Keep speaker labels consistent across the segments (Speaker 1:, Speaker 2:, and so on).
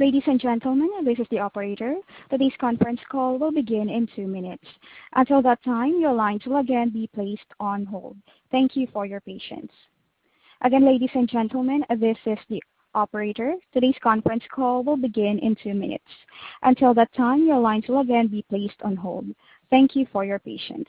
Speaker 1: Ladies and gentlemen, this is the operator. Today's conference call will begin in 2 minutes. Until that time, your line will again be placed on hold. Thank you for your patience. Again, ladies and gentlemen, this is the operator. Today's conference call will begin in 2 minutes. Until that time, your line will again be placed on hold. Thank you for your patience.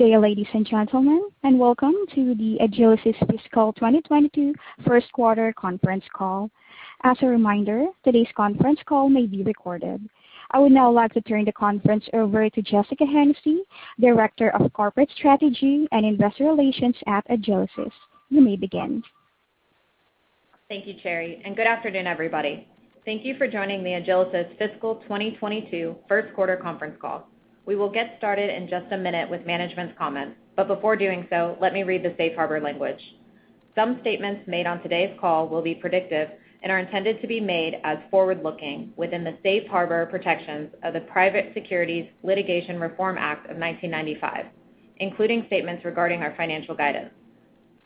Speaker 1: Good day, ladies and gentlemen, and welcome to the Agilysys Fiscal 2022 First Quarter Conference Call. As a reminder, today's conference call may be recorded. I would now like to turn the conference over to Jessica Hennessy, Director of Corporate Strategy and Investor Relations at Agilysys. You may begin.
Speaker 2: Thank you, Sherry. Good afternoon, everybody. Thank you for joining the Agilysys Fiscal 2022 First Quarter Conference Call. We will get started in just a minute with management's comments. Before doing so, let me read the safe harbor language. Some statements made on today's call will be predictive and are intended to be made as forward-looking within the safe harbor protections of the Private Securities Litigation Reform Act of 1995, including statements regarding our financial guidance.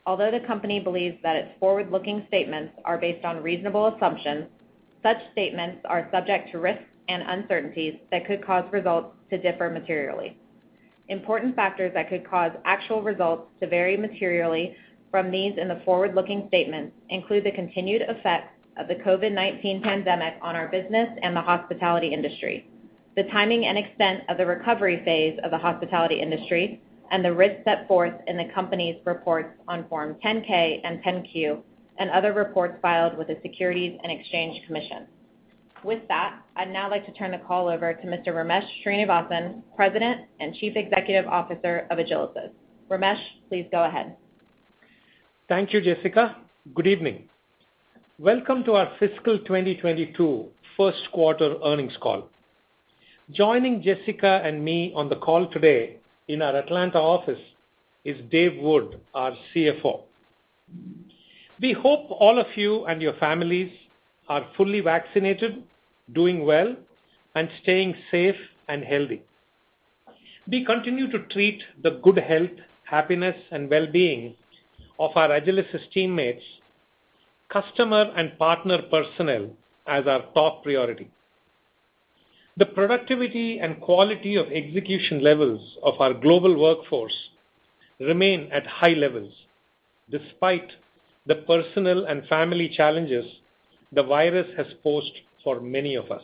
Speaker 2: Although the company believes that its forward-looking statements are based on reasonable assumptions, such statements are subject to risks and uncertainties that could cause results to differ materially. Important factors that could cause actual results to vary materially from these in the forward-looking statements include the continued effect of the COVID-19 pandemic on our business and the hospitality industry, the timing and extent of the recovery phase of the hospitality industry, and the risks set forth in the company's reports on Form 10-K and 10-Q, and other reports filed with the Securities and Exchange Commission. With that, I'd now like to turn the call over to Mr. Ramesh Srinivasan, President and Chief Executive Officer of Agilysys. Ramesh, please go ahead.
Speaker 3: Thank you, Jessica. Good evening. Welcome to our fiscal 2022 first quarter earnings call. Joining Jessica and me on the call today in our Atlanta office is Dave Wood, our CFO. We hope all of you and your families are fully vaccinated, doing well, and staying safe and healthy. We continue to treat the good health, happiness, and well-being of our Agilysys teammates, customer, and partner personnel as our top priority. The productivity and quality of execution levels of our global workforce remain at high levels despite the personal and family challenges the virus has posed for many of us.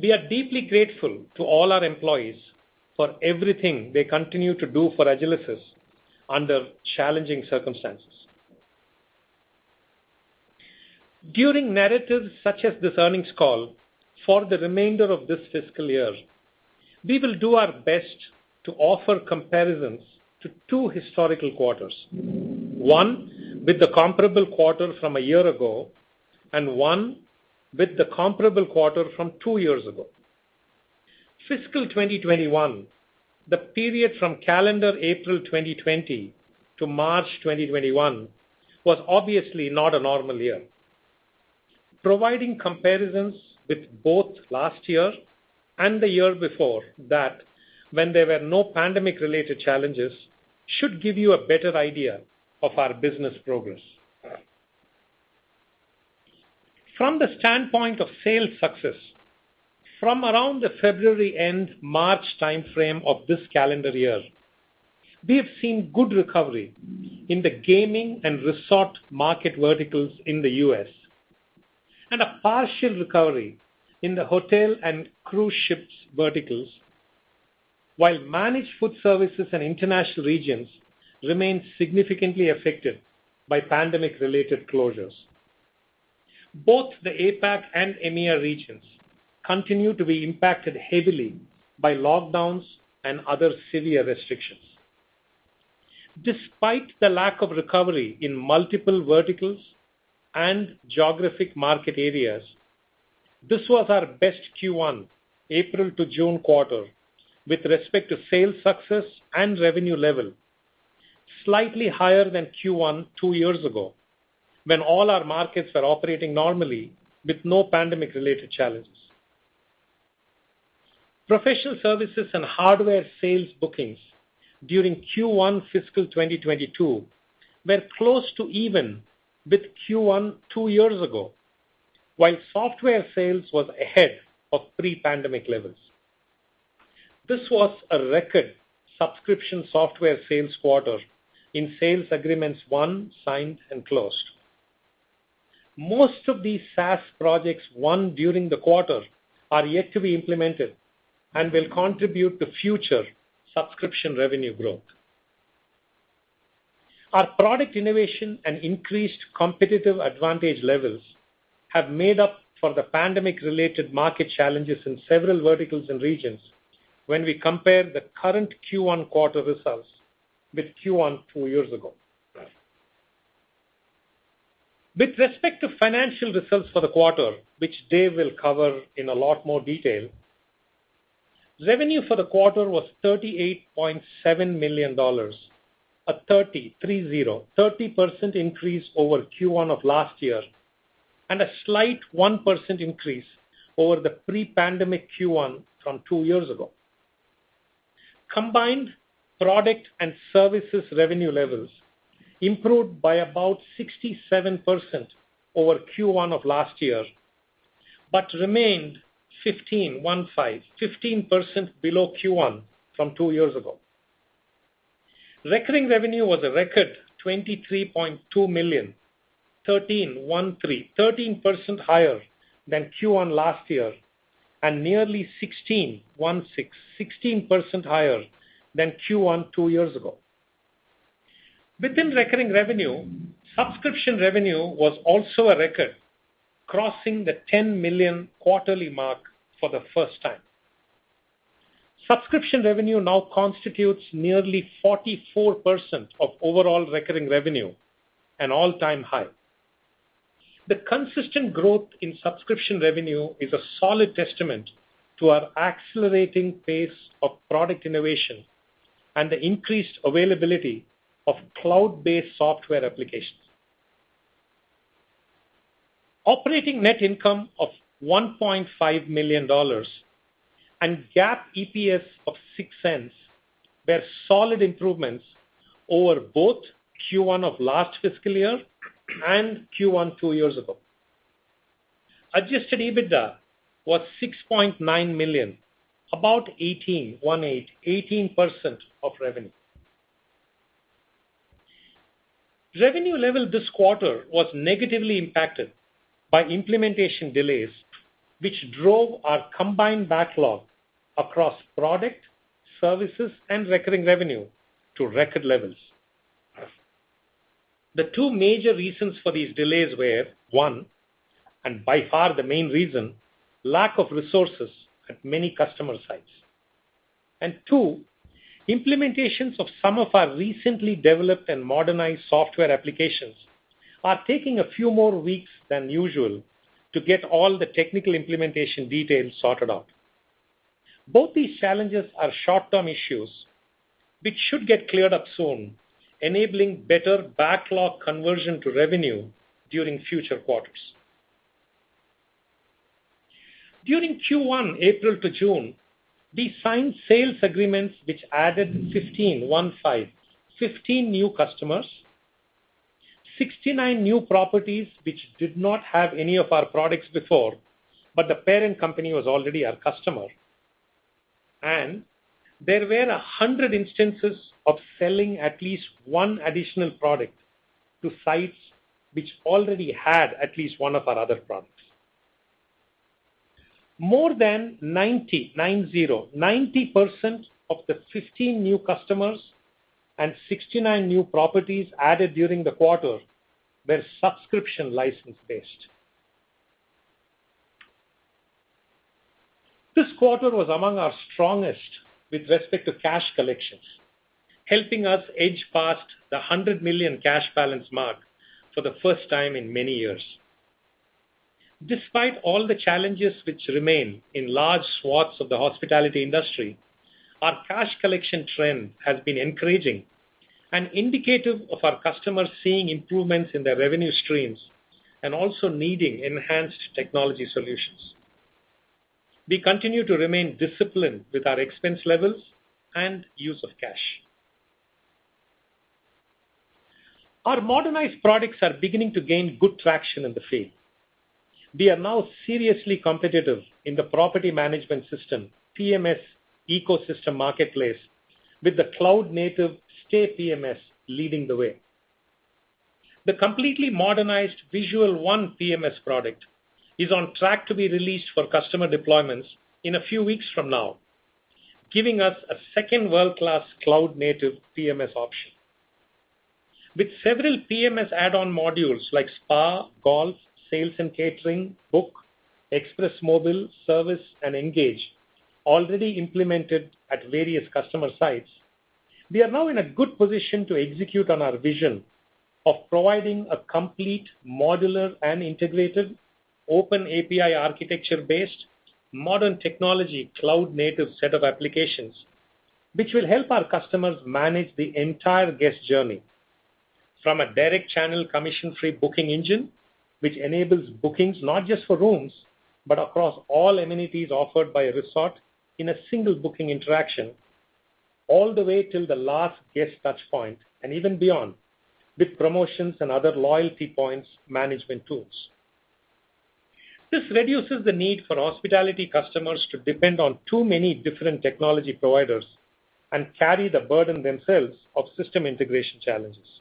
Speaker 3: We are deeply grateful to all our employees for everything they continue to do for Agilysys under challenging circumstances. During narratives such as this earnings call, for the remainder of this fiscal year, we will do our best to offer comparisons to 2 historical quarters, 1 with the comparable quarter from a year ago, and 1 with the comparable quarter from 2 years ago. Fiscal 2021, the period from calendar April 2020 to March 2021, was obviously not a normal year. Providing comparisons with both last year and the year before that when there were no pandemic-related challenges should give you a better idea of our business progress. From the standpoint of sales success, from around the February end, March timeframe of this calendar year, we have seen good recovery in the gaming and resort market verticals in the U.S., and a partial recovery in the hotel and cruise ships verticals, while managed food services and international regions remain significantly affected by pandemic-related closures. Both the APAC and EMEA regions continue to be impacted heavily by lockdowns and other severe restrictions. Despite the lack of recovery in multiple verticals and geographic market areas, this was our best Q1, April to June quarter, with respect to sales success and revenue level, slightly higher than Q1 2 years ago, when all our markets were operating normally with no pandemic-related challenges. Professional services and hardware sales bookings during Q1 fiscal 2022 were close to even with Q1 2 years ago, while software sales was ahead of pre-pandemic levels. This was a record subscription software sales quarter in sales agreements won, signed, and closed. Most of these SaaS projects won during the quarter are yet to be implemented and will contribute to future subscription revenue growth. Our product innovation and increased competitive advantage levels have made up for the pandemic-related market challenges in several verticals and regions when we compare the current Q1 quarter results with Q1 two years ago. With respect to financial results for the quarter, which Dave will cover in a lot more detail, revenue for the quarter was $38.7 million, a 30% increase over Q1 of last year, and a slight 1% increase over the pre-pandemic Q1 from two years ago. Combined product and services revenue levels improved by about 67% over Q1 of last year, but remained 15% below Q1 from two years ago. Recurring revenue was a record $23.2 million. 13% higher than Q1 last year, and nearly 16% higher than Q1 two years ago. Within recurring revenue, subscription revenue was also a record, crossing the $10 million quarterly mark for the first time. Subscription revenue now constitutes nearly 44% of overall recurring revenue, an all-time high. The consistent growth in subscription revenue is a solid testament to our accelerating pace of product innovation and the increased availability of cloud-based software applications. Operating net income of $1.5 million and GAAP EPS of $0.06 were solid improvements over both Q1 of last fiscal year and Q1 two years ago. Adjusted EBITDA was $6.9 million, about 18% of revenue. Revenue level this quarter was negatively impacted by implementation delays, which drove our combined backlog across product, services, and recurring revenue to record levels. The two major reasons for these delays were, 1, and by far the main reason, lack of resources at many customer sites. Two, implementations of some of our recently developed and modernized software applications are taking a few more weeks than usual to get all the technical implementation details sorted out. Both these challenges are short-term issues which should get cleared up soon, enabling better backlog conversion to revenue during future quarters. During Q1, April to June, we signed sales agreements which added 15 new customers, 69 new properties which did not have any of our products before, but the parent company was already our customer, and there were 100 instances of selling at least one additional product to sites which already had at least one of our other products. More than 90% of the 15 new customers and 69 new properties added during the quarter were subscription license-based. This quarter was among our strongest with respect to cash collections, helping us edge past the $100 million cash balance mark for the first time in many years. Despite all the challenges which remain in large swaths of the hospitality industry, our cash collection trend has been encouraging and indicative of our customers seeing improvements in their revenue streams and also needing enhanced technology solutions. We continue to remain disciplined with our expense levels and use of cash. Our modernized products are beginning to gain good traction in the field. We are now seriously competitive in the property management system, PMS ecosystem marketplace with the cloud-native Stay PMS leading the way. The completely modernized Visual One PMS product is on track to be released for customer deployments in a few weeks from now, giving us a second world-class cloud-native PMS option. With several PMS add-on modules like Agilysys Spa, Agilysys Golf, Agilysys Sales & Catering, Agilysys Book, Agilysys Express Mobile, Agilysys Service, and Agilysys Engage already implemented at various customer sites, we are now in a good position to execute on our vision of providing a complete modular and integrated Open API architecture-based modern technology cloud-native set of applications, which will help our customers manage the entire guest journey. From a direct channel commission-free booking engine, which enables bookings not just for rooms, but across all amenities offered by a resort in a single booking interaction, all the way till the last guest touchpoint, and even beyond, with promotions and other loyalty points management tools. This reduces the need for hospitality customers to depend on too many different technology providers and carry the burden themselves of system integration challenges.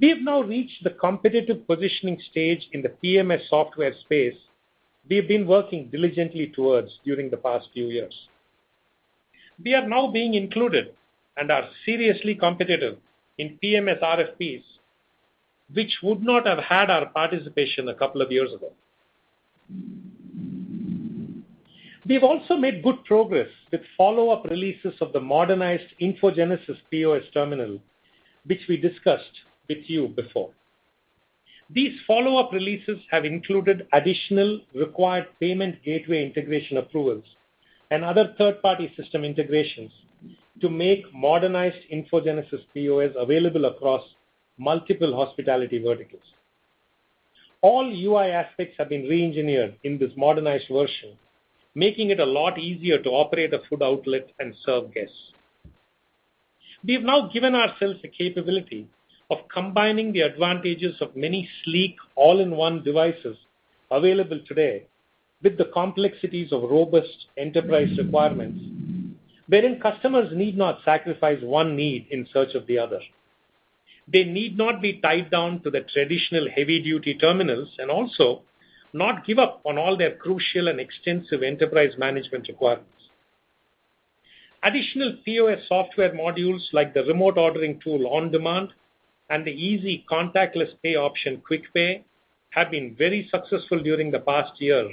Speaker 3: We've now reached the competitive positioning stage in the PMS software space we've been working diligently towards during the past few years. We are now being included and are seriously competitive in PMS RFPs, which would not have had our participation a couple of years ago. We've also made good progress with follow-up releases of the modernized InfoGenesis POS terminal, which we discussed with you before. These follow-up releases have included additional required payment gateway integration approvals and other third-party system integrations to make modernized InfoGenesis POS available across multiple hospitality verticals. All UI aspects have been re-engineered in this modernized version, making it a lot easier to operate a food outlet and serve guests. We've now given ourselves the capability of combining the advantages of many sleek, all-in-one devices available today with the complexities of robust enterprise requirements, wherein customers need not sacrifice one need in search of the other. They need not be tied down to the traditional heavy-duty terminals, and also not give up on all their crucial and extensive enterprise management requirements. Additional POS software modules like the remote ordering tool, OnDemand, and the easy contactless pay option, QuickPay, have been very successful during the past year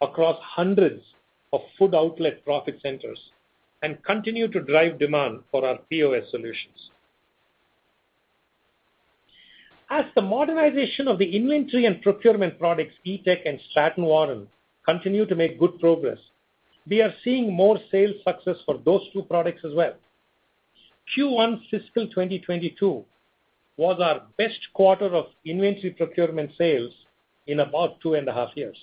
Speaker 3: across hundreds of food outlet profit centers and continue to drive demand for our POS solutions. As the modernization of the inventory and procurement products, Eatec and Stratton Warren, continue to make good progress, we are seeing more sales success for those two products as well. Q1 fiscal 2022 was our best quarter of inventory procurement sales in about 2.5 years.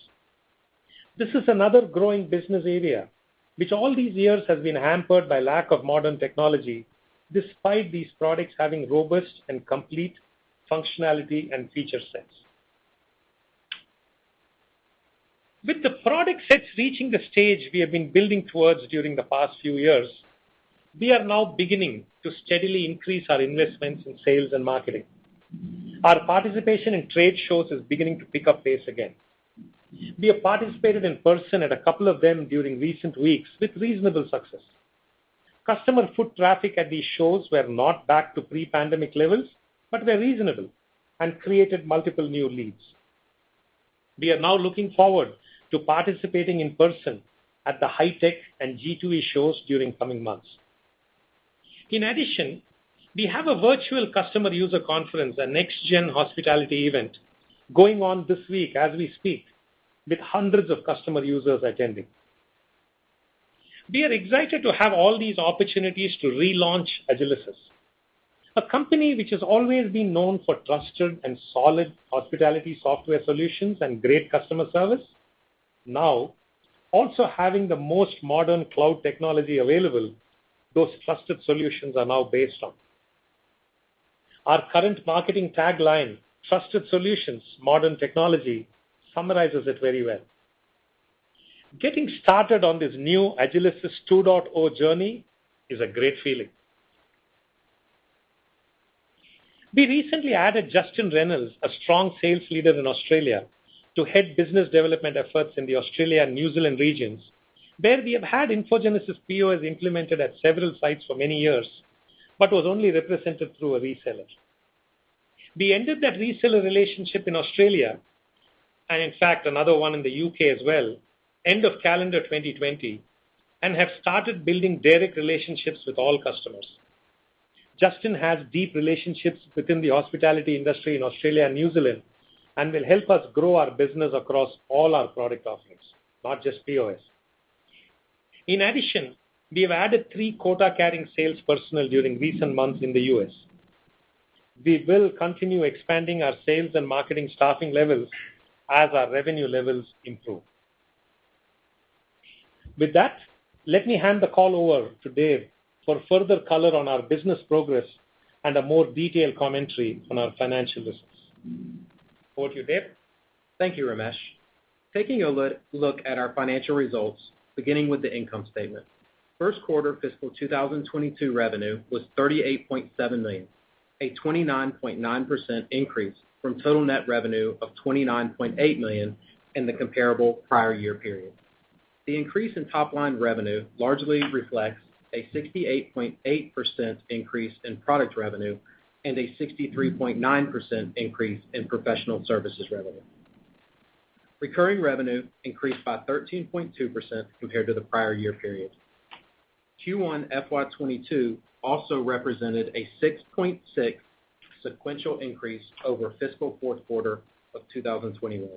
Speaker 3: This is another growing business area, which all these years has been hampered by lack of modern technology, despite these products having robust and complete functionality and feature sets. With the product sets reaching the stage we have been building towards during the past few years, we are now beginning to steadily increase our investments in sales and marketing. Our participation in trade shows is beginning to pick up pace again. We have participated in person at a couple of them during recent weeks with reasonable success. Customer foot traffic at these shows were not back to pre-pandemic levels, but were reasonable and created multiple new leads. We are now looking forward to participating in person at the HITEC and G2E shows during coming months. In addition, we have a virtual customer user conference, a next-gen hospitality event, going on this week as we speak, with hundreds of customer users attending. We are excited to have all these opportunities to relaunch Agilysys, a company which has always been known for trusted and solid hospitality software solutions and great customer service, now also having the most modern cloud technology available those trusted solutions are now based on. Our current marketing tagline, Trusted Solutions, Modern Technology, summarizes it very well. Getting started on this new Agilysys 2.0 journey is a great feeling. We recently added Justin Reynolds, a strong sales leader in Australia, to head business development efforts in the Australia and New Zealand regions, where we have had InfoGenesis POS implemented at several sites for many years, but was only represented through a reseller. We ended that reseller relationship in Australia, and in fact, another one in the U.K. as well, end of calendar 2020, and have started building direct relationships with all customers. Justin has deep relationships within the hospitality industry in Australia and New Zealand and will help us grow our business across all our product offerings, not just POS. In addition, we have added 3 quota-carrying sales personnel during recent months in the U.S. We will continue expanding our sales and marketing staffing levels as our revenue levels improve. With that, let me hand the call over to Dave for further color on our business progress and a more detailed commentary on our financial results. Over to you, Dave.
Speaker 4: Thank you, Ramesh. Taking a look at our financial results, beginning with the income statement. First quarter fiscal 2022 revenue was $38.7 million, a 29.9% increase from total net revenue of $29.8 million in the comparable prior year period. The increase in top-line revenue largely reflects a 68.8% increase in product revenue and a 63.9% increase in professional services revenue. Recurring revenue increased by 13.2% compared to the prior year period. Q1 FY 2022 also represented a 6.6% sequential increase over fiscal fourth quarter of 2021,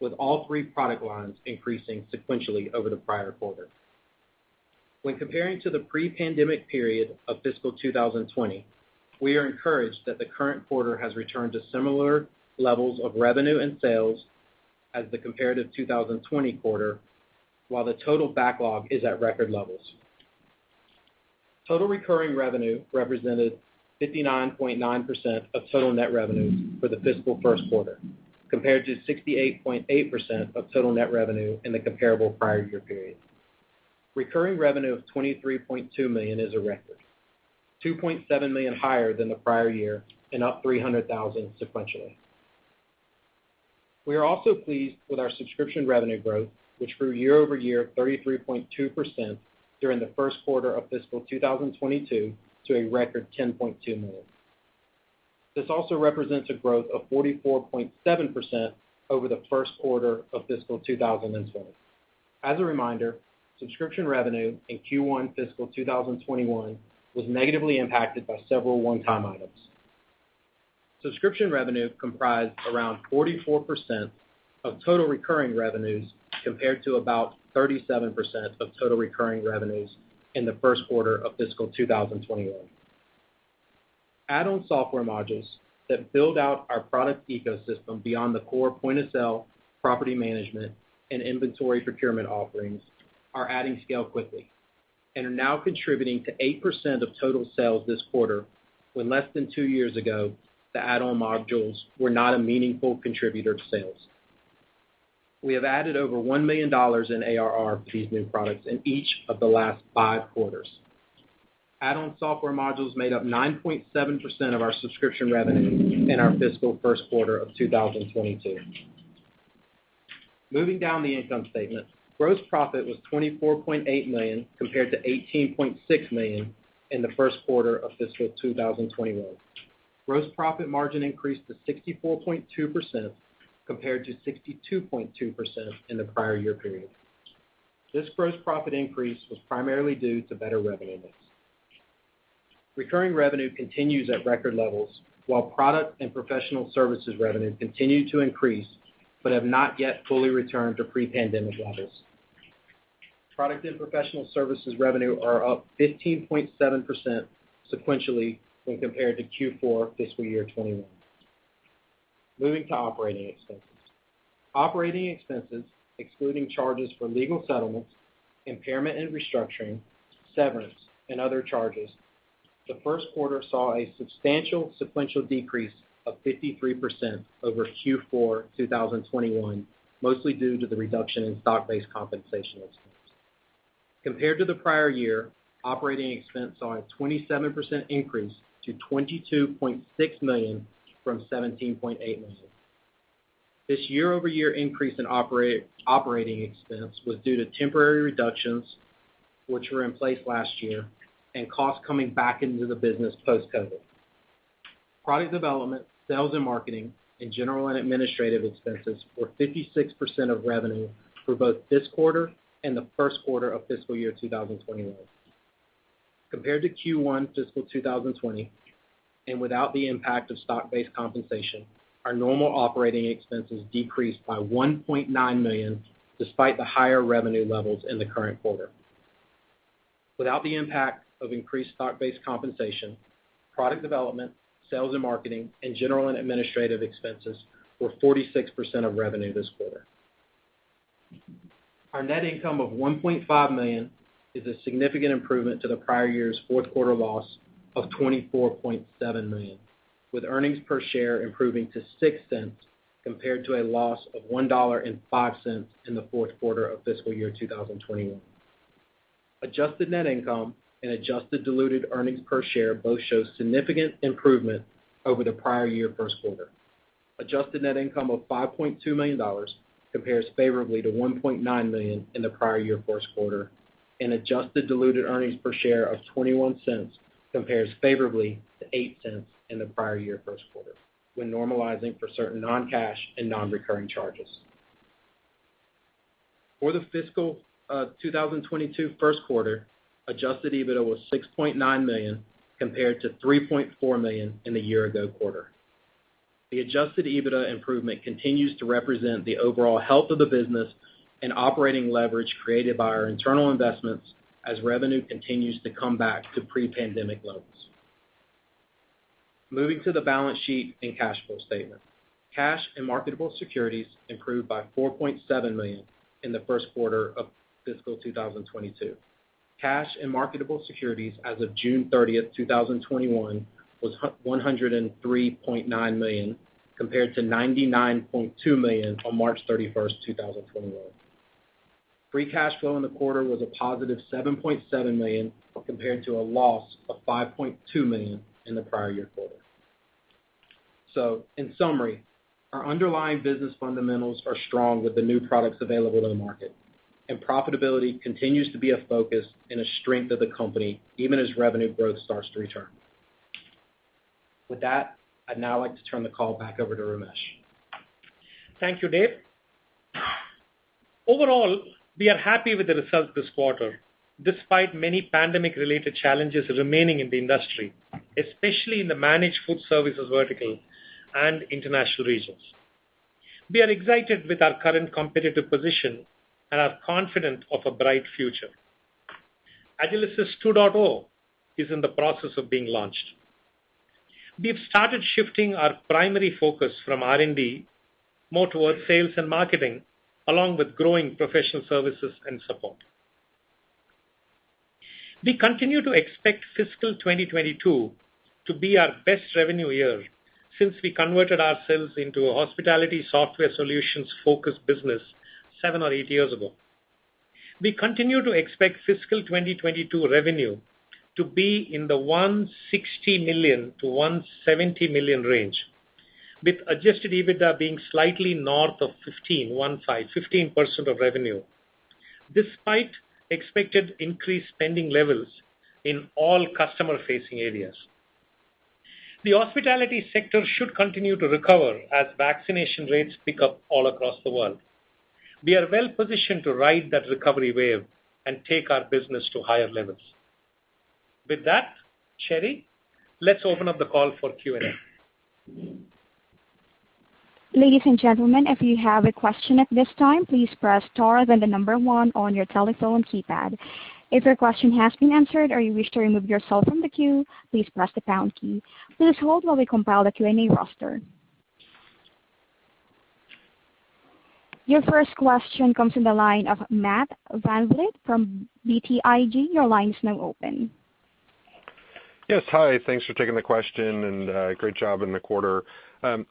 Speaker 4: with all three product lines increasing sequentially over the prior quarter. When comparing to the pre-pandemic period of fiscal 2020, we are encouraged that the current quarter has returned to similar levels of revenue and sales as the comparative 2020 quarter, while the total backlog is at record levels. Total recurring revenue represented 59.9% of total net revenue for the fiscal first quarter, compared to 68.8% of total net revenue in the comparable prior year period. Recurring revenue of $23.2 million is a record, $2.7 million higher than the prior year, and up $300,000 sequentially. We are also pleased with our subscription revenue growth, which grew year-over-year 33.2% during the first quarter of fiscal 2022 to a record $10.2 million. This also represents a growth of 44.7% over the first quarter of fiscal 2020. As a reminder, subscription revenue in Q1 fiscal 2021 was negatively impacted by several one-time items. Subscription revenue comprised around 44% of total recurring revenues, compared to about 37% of total recurring revenues in the first quarter of fiscal 2021. Add-on software modules that build out our product ecosystem beyond the core point-of-sale, property management, and inventory procurement offerings are adding scale quickly and are now contributing to 8% of total sales this quarter, when less than two years ago, the add-on modules were not a meaningful contributor to sales. We have added over $1 million in ARR for these new products in each of the last five quarters. Add-on software modules made up 9.7% of our subscription revenue in our fiscal first quarter of 2022. Moving down the income statement, gross profit was $24.8 million, compared to $18.6 million in the first quarter of fiscal 2021. Gross profit margin increased to 64.2%, compared to 62.2% in the prior year period. This gross profit increase was primarily due to better revenue mix. Recurring revenue continues at record levels, while product and professional services revenue continue to increase but have not yet fully returned to pre-pandemic levels. Product and professional services revenue are up 15.7% sequentially when compared to Q4 fiscal year 2021. Moving to OpEx. OpEx, excluding charges for legal settlements, impairment and restructuring, severance, and other charges, the first quarter saw a substantial sequential decrease of 53% over Q4 2021, mostly due to the reduction in stock-based compensation expense. Compared to the prior year, OpEx saw a 27% increase to $22.6 million from $17.8 million. This year-over-year increase in OpEx was due to temporary reductions, which were in place last year, and costs coming back into the business post-COVID. Product development, sales and marketing, and general and administrative expenses were 56% of revenue for both this quarter and the first quarter of fiscal year 2021. Compared to Q1 fiscal 2020, and without the impact of stock-based compensation, our normal operating expenses decreased by $1.9 million, despite the higher revenue levels in the current quarter. Without the impact of increased stock-based compensation, product development, sales and marketing, and general and administrative expenses were 46% of revenue this quarter. Our net income of $1.5 million is a significant improvement to the prior year's fourth quarter loss of $24.7 million, with earnings per share improving to $0.06 compared to a loss of $1.05 in the fourth quarter of fiscal year 2021. Adjusted net income and adjusted diluted earnings per share both show significant improvement over the prior year first quarter. Adjusted net income of $5.2 million compares favorably to $1.9 million in the prior year first quarter, and adjusted diluted earnings per share of $0.21 compares favorably to $0.08 in the prior year first quarter, when normalizing for certain non-cash and non-recurring charges. For the fiscal 2022 first quarter, adjusted EBITDA was $6.9 million, compared to $3.4 million in the year ago quarter. The adjusted EBITDA improvement continues to represent the overall health of the business and operating leverage created by our internal investments as revenue continues to come back to pre-pandemic levels. Moving to the balance sheet and cash flow statement. Cash and marketable securities improved by $4.7 million in the first quarter of fiscal 2022. Cash and marketable securities as of June 30th, 2021 was $103.9 million, compared to $99.2 million on March 31st, 2021. Free cash flow in the quarter was a positive $7.7 million, compared to a loss of $5.2 million in the prior year quarter. In summary, our underlying business fundamentals are strong with the new products available to the market, and profitability continues to be a focus and a strength of the company, even as revenue growth starts to return. With that, I'd now like to turn the call back over to Ramesh.
Speaker 3: Thank you, Dave. Overall, we are happy with the results this quarter, despite many pandemic-related challenges remaining in the industry, especially in the managed food services vertical and international regions. We are excited with our current competitive position and are confident of a bright future. Agilysys 2.0 is in the process of being launched. We've started shifting our primary focus from R&D more towards sales and marketing, along with growing professional services and support. We continue to expect fiscal 2022 to be our best revenue year since we converted ourselves into a hospitality software solutions-focused business 7 or 8 years ago. We continue to expect fiscal 2022 revenue to be in the $160 million-$170 million range, with adjusted EBITDA being slightly north of 15, one five, 15% of revenue, despite expected increased spending levels in all customer-facing areas. The hospitality sector should continue to recover as vaccination rates pick up all across the world. We are well positioned to ride that recovery wave and take our business to higher levels. With that, Sherry, let's open up the call for Q&A.
Speaker 1: Your first question comes from the line of Matthew VanVliet from BTIG. Your line is now open.
Speaker 5: Yes. Hi. Thanks for taking the question, and great job in the quarter.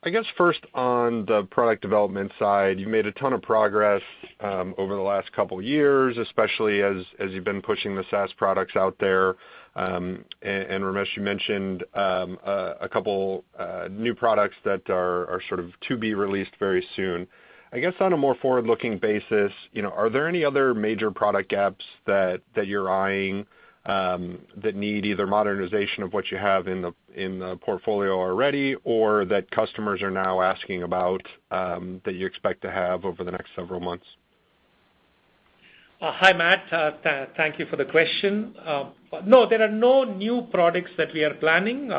Speaker 5: I guess, first on the product development side, you made a ton of progress over the last two years, especially as you've been pushing the SaaS products out there. Ramesh, you mentioned two new products that are sort of to be released very soon. I guess on a more forward-looking basis, are there any other major product gaps that you're eyeing, that need either modernization of what you have in the portfolio already, or that customers are now asking about that you expect to have over the next several months?
Speaker 3: Hi, Matt. Thank you for the question. No, there are no new products that we are planning.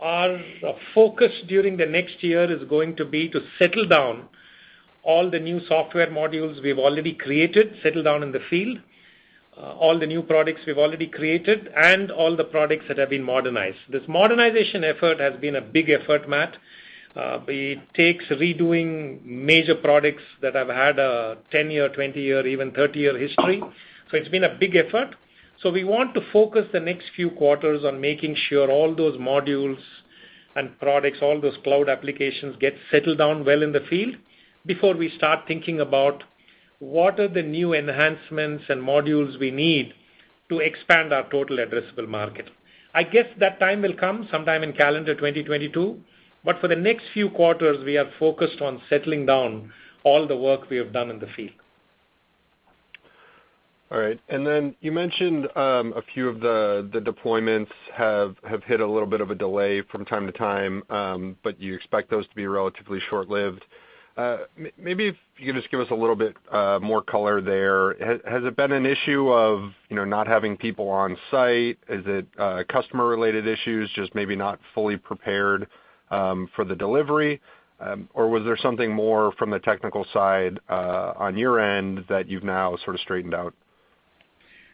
Speaker 3: Our focus during the next year is going to be to settle down all the new software modules we've already created, settle down in the field, all the new products we've already created, and all the products that have been modernized. This modernization effort has been a big effort, Matt. It takes redoing major products that have had a 10-year, 20-year, even 30-year history. It's been a big effort. We want to focus the next few quarters on making sure all those modules and products, all those cloud applications, get settled down well in the field before we start thinking about what are the new enhancements and modules we need to expand our total addressable market. I guess that time will come sometime in calendar 2022, but for the next few quarters, we are focused on settling down all the work we have done in the field.
Speaker 5: All right. You mentioned a few of the deployments have hit a little bit of a delay from time to time, but you expect those to be relatively short-lived. Maybe if you could just give us a little bit more color there. Has it been an issue of not having people on site? Is it customer-related issues, just maybe not fully prepared for the delivery? Was there something more from the technical side on your end that you've now sort of straightened out?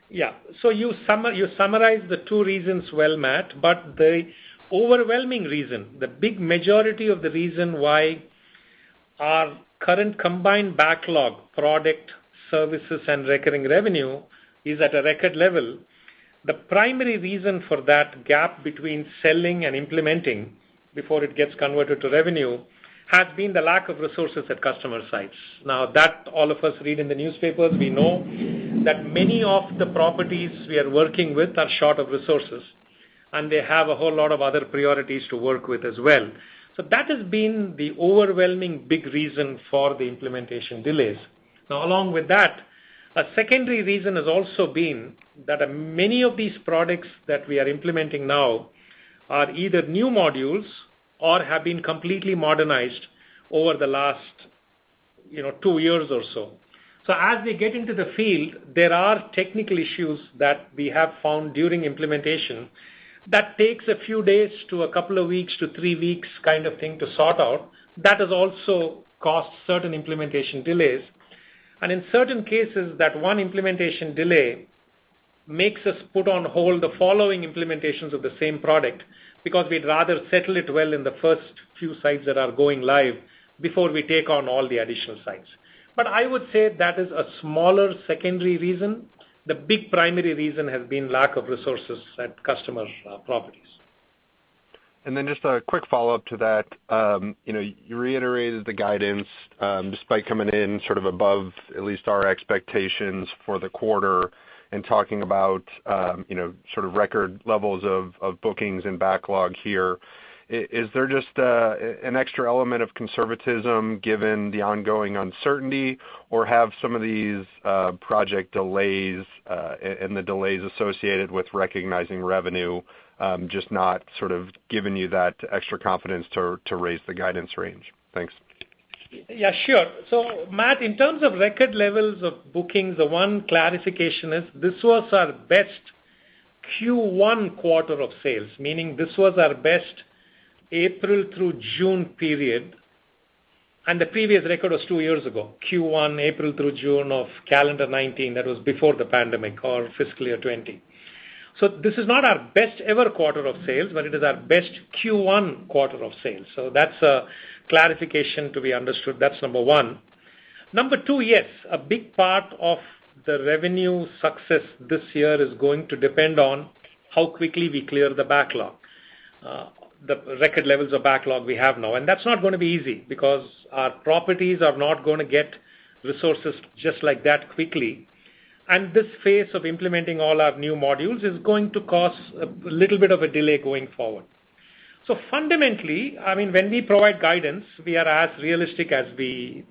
Speaker 3: Yeah. You summarized the 2 reasons well, Matt, but the overwhelming reason, the big majority of the reason why our current combined backlog, product, services, and recurring revenue is at a record level. The primary reason for that gap between selling and implementing before it gets converted to revenue has been the lack of resources at customer sites. Now that all of us read in the newspapers, we know that many of the properties we are working with are short of resources, and they have a whole lot of other priorities to work with as well. That has been the overwhelming big reason for the implementation delays. Now, along with that, a secondary reason has also been that many of these products that we are implementing now are either new modules or have been completely modernized over the last 2 years or so. As we get into the field, there are technical issues that we have found during implementation that takes a few days to a couple of weeks to three weeks kind of thing to sort out. That has also caused certain implementation delays, and in certain cases, that one implementation delay makes us put on hold the following implementations of the same product because we'd rather settle it well in the first few sites that are going live before we take on all the additional sites. I would say that is a smaller, secondary reason. The big primary reason has been lack of resources at customer properties.
Speaker 5: Just a quick follow-up to that. You reiterated the guidance, despite coming in sort of above at least our expectations for the quarter and talking about sort of record levels of bookings and backlog here. Is there just an extra element of conservatism given the ongoing uncertainty, or have some of these project delays, and the delays associated with recognizing revenue, just not sort of given you that extra confidence to raise the guidance range? Thanks.
Speaker 3: Matt, in terms of record levels of bookings, the one clarification is this was our best Q1 quarter of sales, meaning this was our best April through June period. The previous record was two years ago, Q1, April through June of calendar 2019. That was before the pandemic or fiscal year 2020. This is not our best ever quarter of sales, but it is our best Q1 quarter of sales. That's a clarification to be understood. That's number one. Number two, yes, a big part of the revenue success this year is going to depend on how quickly we clear the backlog, the record levels of backlog we have now. That's not going to be easy, because our properties are not going to get resources just like that quickly. This phase of implementing all our new modules is going to cause a little bit of a delay going forward. Fundamentally, when we provide guidance, we are as realistic as we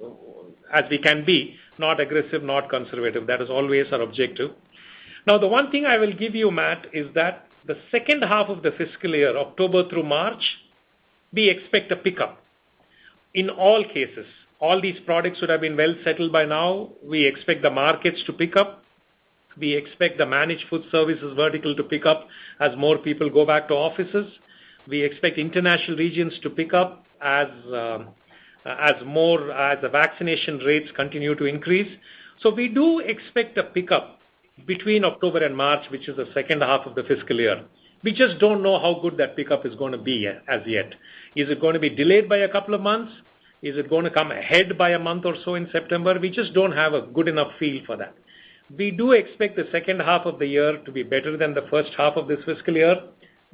Speaker 3: can be. Not aggressive, not conservative. That is always our objective. The one thing I will give you, Matt, is that the second half of the fiscal year, October through March, we expect a pickup in all cases. All these products should have been well settled by now. We expect the markets to pick up. We expect the managed food services vertical to pick up as more people go back to offices. We expect international regions to pick up as the vaccination rates continue to increase. We do expect a pickup between October and March, which is the second half of the fiscal year. We just don't know how good that pickup is going to be as yet. Is it going to be delayed by a couple of months? Is it going to come ahead by a month or so in September? We just don't have a good enough feel for that. We do expect the second half of the year to be better than the first half of this fiscal year.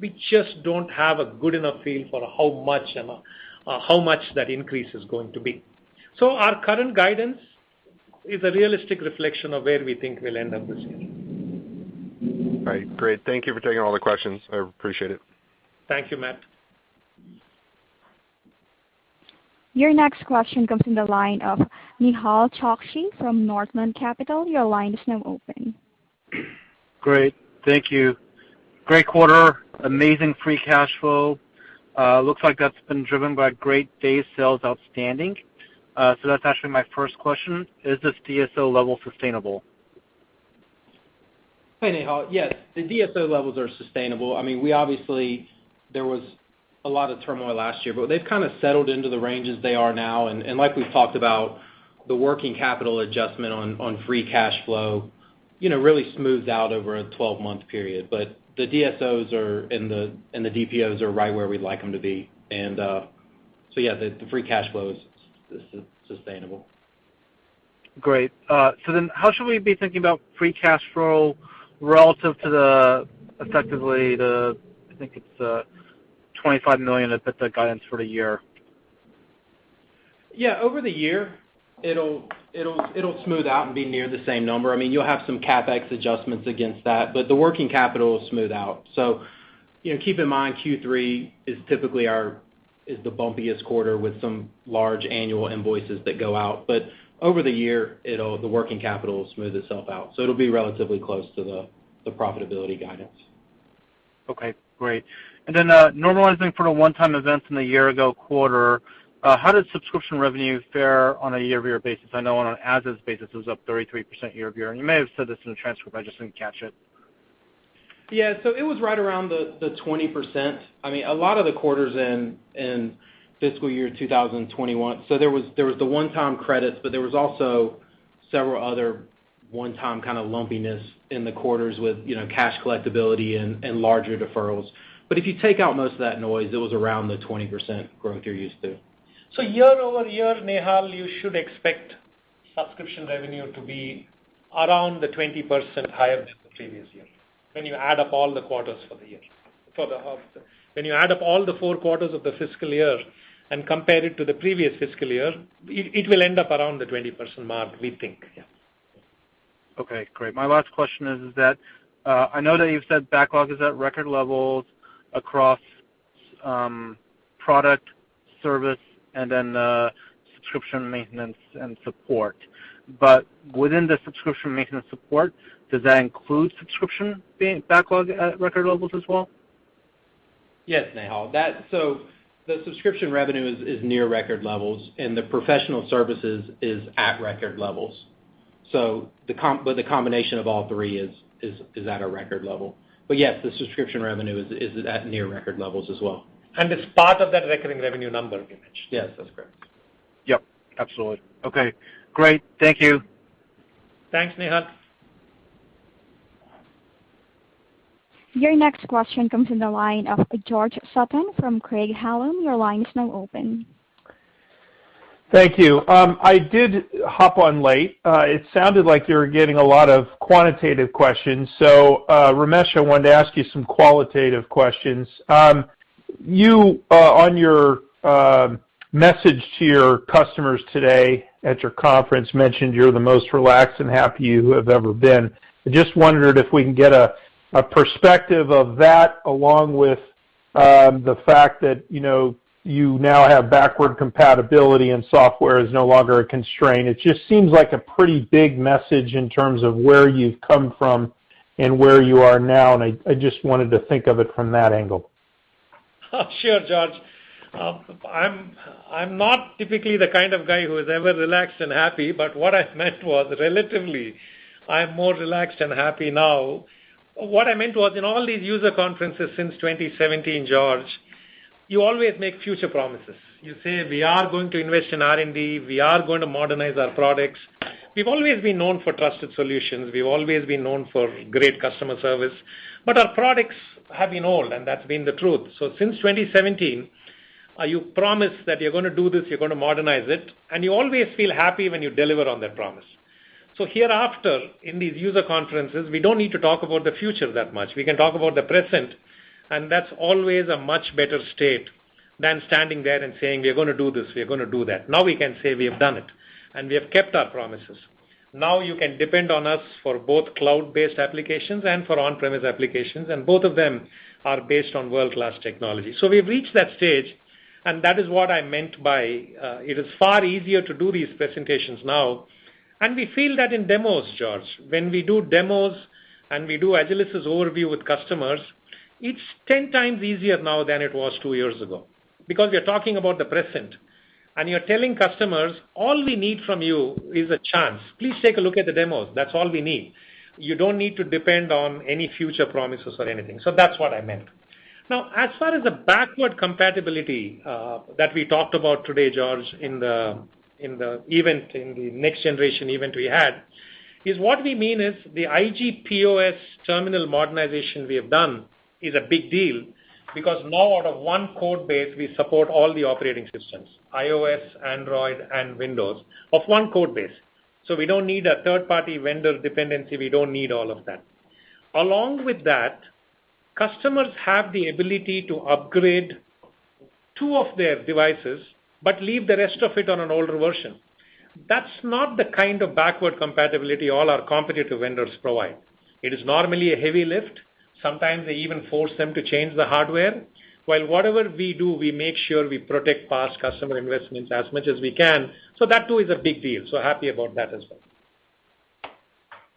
Speaker 3: We just don't have a good enough feel for how much that increase is going to be. Our current guidance is a realistic reflection of where we think we'll end up this year.
Speaker 5: Right. Great. Thank you for taking all the questions. I appreciate it.
Speaker 3: Thank you, Matt.
Speaker 1: Your next question comes from the line of Nehal Chokshi from Northland Capital Markets. Your line is now open.
Speaker 6: Great. Thank you. Great quarter. Amazing free cash flow. Looks like that's been driven by great days sales outstanding. That's actually my first question. Is this DSO level sustainable?
Speaker 4: Hi, Nehal. Yes, the DSO levels are sustainable. There was a lot of turmoil last year, but they've kind of settled into the ranges they are now, and like we've talked about, the working capital adjustment on free cash flow really smooths out over a 12-month period. The DSOs and the DPOs are right where we'd like them to be. Yeah, the free cash flow is sustainable.
Speaker 6: Great. How should we be thinking about free cash flow relative to the, effectively, I think it's $25 million that's the guidance for the year?
Speaker 4: Yeah. Over the year, it'll smooth out and be near the same number. You'll have some CapEx adjustments against that, but the working capital will smooth out. Keep in mind, Q3 is the bumpiest quarter with some large annual invoices that go out, but over the year, the working capital will smooth itself out. It'll be relatively close to the profitability guidance.
Speaker 6: Okay, great. Normalizing for the one-time events in the year-ago quarter, how did subscription revenue fare on a year-over-year basis? I know on an as-is basis, it was up 33% year-over-year, and you may have said this in the transcript, I just didn't catch it.
Speaker 4: It was right around the 20%. A lot of the quarters in fiscal year 2021, so there was the one-time credits, but there was also several other one-time kind of lumpiness in the quarters with cash collectibility and larger deferrals. If you take out most of that noise, it was around the 20% growth you're used to.
Speaker 3: Year-over-year, Nehal, you should expect subscription revenue to be around 20% higher to the previous year. When you add up all the quarters for the year. When you add up all the four quarters of the fiscal year and compare it to the previous fiscal year, it will end up around the 20% mark, we think. Yeah.
Speaker 6: Okay, great. My last question is that I know that you've said backlog is at record levels across product, service, and then subscription maintenance and support. Within the subscription maintenance support, does that include subscription backlog at record levels as well?
Speaker 4: Yes, Nehal. The subscription revenue is near record levels, and the professional services is at record levels. The combination of all three is at a record level. Yes, the subscription revenue is at near record levels as well.
Speaker 3: It's part of that recurring revenue number you mentioned.
Speaker 4: Yes, that's correct.
Speaker 6: Yep, absolutely. Okay, great. Thank you.
Speaker 3: Thanks, Nehal Chokshi.
Speaker 1: Your next question comes in the line of George Sutton from Craig-Hallum. Your line is now open.
Speaker 7: Thank you. I did hop on late. It sounded like you were getting a lot of quantitative questions. Ramesh, I wanted to ask you some qualitative questions. You, on your message to your customers today at your conference, mentioned you're the most relaxed and happy you have ever been. I just wondered if we can get a perspective of that along with the fact that you now have backward compatibility and software is no longer a constraint. It just seems like a pretty big message in terms of where you've come from and where you are now. I just wanted to think of it from that angle.
Speaker 3: Sure, George. I'm not typically the kind of guy who is ever relaxed and happy, but what I meant was, relatively, I'm more relaxed and happy now. What I meant was, in all these user conferences since 2017, George, you always make future promises. You say, "We are going to invest in R&D. We are going to modernize our products." We've always been known for trusted solutions. We've always been known for great customer service, but our products have been old, and that's been the truth. Since 2017, you promise that you're going to do this, you're going to modernize it, and you always feel happy when you deliver on that promise. Hereafter, in these user conferences, we don't need to talk about the future that much. We can talk about the present, and that's always a much better state than standing there and saying, "We're going to do this. We're going to do that." Now we can say we have done it, and we have kept our promises. Now you can depend on us for both cloud-based applications and for on-premise applications, and both of them are based on world-class technology. We've reached that stage, and that is what I meant by, it is far easier to do these presentations now. We feel that in demos, George. When we do demos and we do Agilysys overview with customers, it's 10 times easier now than it was two years ago. Because we are talking about the present, and you're telling customers, "All we need from you is a chance. Please take a look at the demos. That's all we need. You don't need to depend on any future promises or anything." That's what I meant. As far as the backward compatibility, that we talked about today, George, in the next generation event we had, is what we mean is the InfoGenesis POS terminal modernization we have done is a big deal because out of one code base, we support all the operating systems, iOS, Android, and Windows, of one code base. We don't need a third-party vendor dependency. We don't need all of that. Along with that, customers have the ability to upgrade two of their devices but leave the rest of it on an older version. That's not the kind of backward compatibility all our competitive vendors provide. It is normally a heavy lift. Sometimes they even force them to change the hardware. While whatever we do, we make sure we protect past customer investments as much as we can. That, too, is a big deal, so happy about that as well.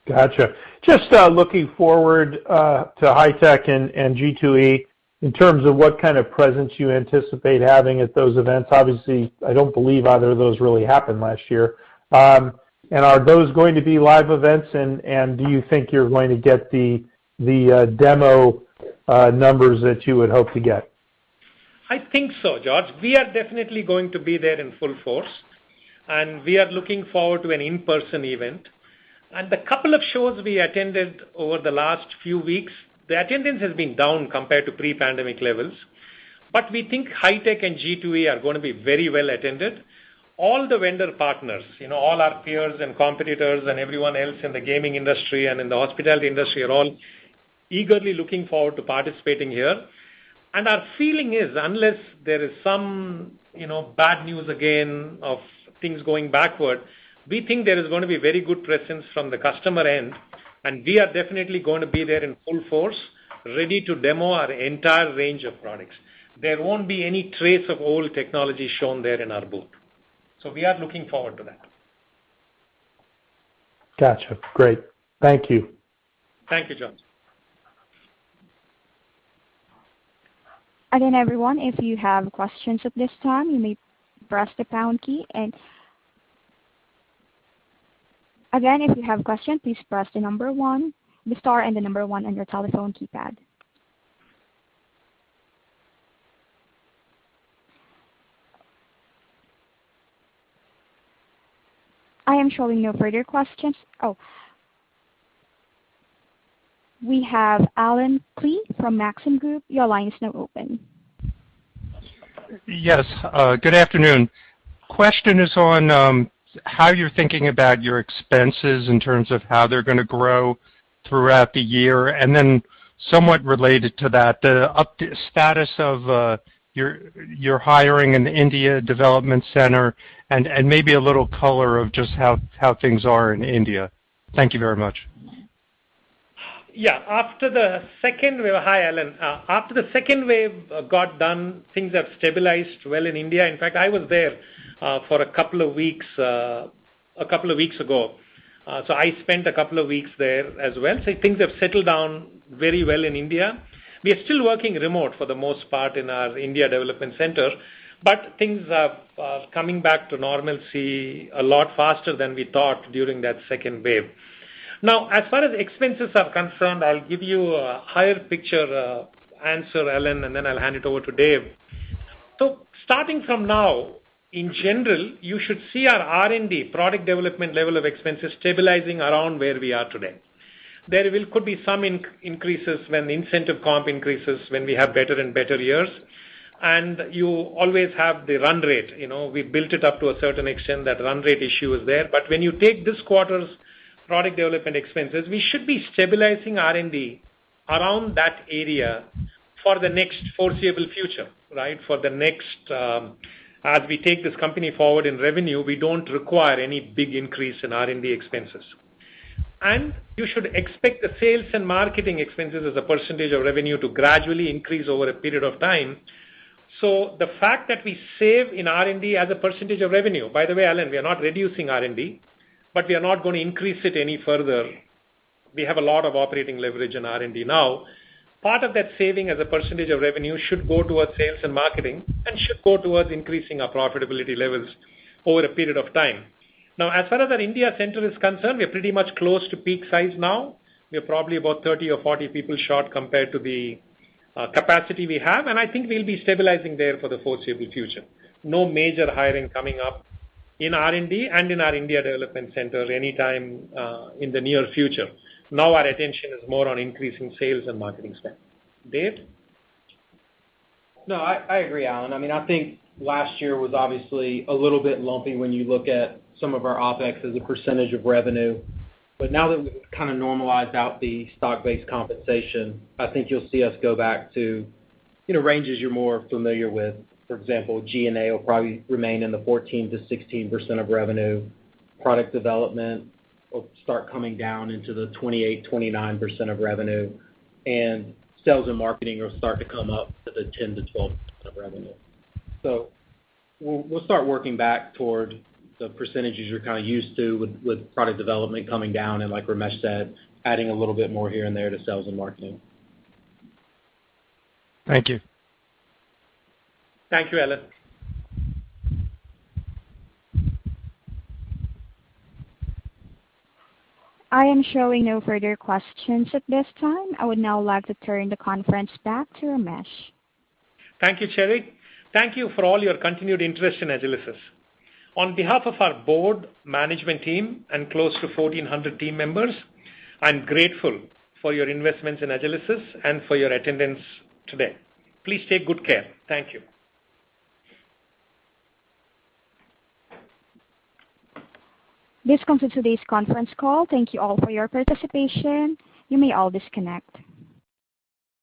Speaker 7: Got you. Just looking forward to HITEC and G2E in terms of what kind of presence you anticipate having at those events. Obviously, I don't believe either of those really happened last year. Are those going to be live events, and do you think you're going to get the demo numbers that you would hope to get?
Speaker 3: I think so, George. We are definitely going to be there in full force. We are looking forward to an in-person event. The couple of shows we attended over the last few weeks, the attendance has been down compared to pre-pandemic levels. We think HITEC and G2E are going to be very well attended. All the vendor partners, all our peers and competitors and everyone else in the gaming industry and in the hospitality industry, are all eagerly looking forward to participating here. Our feeling is, unless there is some bad news again of things going backward, we think there is going to be very good presence from the customer end. We are definitely going to be there in full force, ready to demo our entire range of products. There won't be any trace of old technology shown there in our booth. We are looking forward to that.
Speaker 7: Got you. Great. Thank you.
Speaker 3: Thank you, George.
Speaker 1: Again, everyone, if you have questions at this time, you may press the pound key. Again, if you have questions, please press the star and the number one on your telephone keypad. I am showing no further questions. Oh, we have Allen Klee from Maxim Group. Your line is now open.
Speaker 8: Yes. Good afternoon. Question is on how you're thinking about your expenses in terms of how they're going to grow throughout the year. Somewhat related to that, the status of your hiring in the India Development Center and maybe a little color of just how things are in India. Thank you very much.
Speaker 3: Yeah. Hi, Allen. After the second wave got done, things have stabilized well in India. In fact, I was there for a couple of weeks, a couple of weeks ago. I spent a couple of weeks there as well. Things have settled down very well in India. We are still working remote for the most part in our India Development Center, but things are coming back to normalcy a lot faster than we thought during that second wave. Now, as far as expenses are concerned, I'll give you a higher picture answer, Allen, and then I'll hand it over to Dave. Starting from now, in general, you should see our R&D product development level of expenses stabilizing around where we are today. There could be some increases when the incentive comp increases, when we have better and better years, and you always have the run rate. We built it up to a certain extent. That run rate issue is there. When you take this quarter's product development expenses, we should be stabilizing R&D around that area for the next foreseeable future, right? As we take this company forward in revenue, we don't require any big increase in R&D expenses. You should expect the sales and marketing expenses as a % of revenue to gradually increase over a period of time. The fact that we save in R&D as a % of revenue. By the way, Allen, we are not reducing R&D, but we are not going to increase it any further. We have a lot of operating leverage in R&D now. Part of that saving as a % of revenue should go towards sales and marketing and should go towards increasing our profitability levels over a period of time. Now, as far as our India Development Center is concerned, we're pretty much close to peak size now. We're probably about 30 or 40 people short compared to the capacity we have, and I think we'll be stabilizing there for the foreseeable future. No major hiring coming up in R&D and in our India Development Center anytime in the near future. Now our attention is more on increasing sales and marketing spend. Dave?
Speaker 4: No, I agree, Allen. I think last year was obviously a little bit lumpy when you look at some of our OpEx as a percentage of revenue. Now that we've kind of normalized out the stock-based compensation, I think you'll see us go back to ranges you're more familiar with. For example, G&A will probably remain in the 14%-16% of revenue. Product development will start coming down into the 28%, 29% of revenue, and sales and marketing will start to come up to the 10%-12% of revenue. We'll start working back toward the percentages you're used to with product development coming down and, like Ramesh said, adding a little bit more here and there to sales and marketing.
Speaker 8: Thank you.
Speaker 3: Thank you, Allen Klee.
Speaker 1: I am showing no further questions at this time. I would now like to turn the conference back to Ramesh.
Speaker 3: Thank you, Sherry. Thank you for all your continued interest in Agilysys. On behalf of our board, management team, and close to 1,400 team members, I'm grateful for your investments in Agilysys and for your attendance today. Please take good care. Thank you.
Speaker 1: This concludes today's conference call. Thank you all for your participation. You may all disconnect.